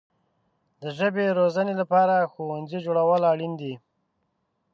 د ژبې د روزنې لپاره ښوونځي جوړول اړین دي.